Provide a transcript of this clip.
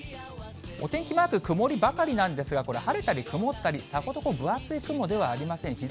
お天気マーク、曇りばかりなんですが、これ、晴れたり曇ったり、さほど分厚い雲ではありません。